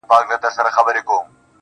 څنگه دي زړه څخه بهر وباسم_